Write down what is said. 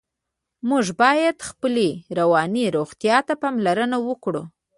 موږ باید خپلې رواني روغتیا ته پاملرنه وکړو.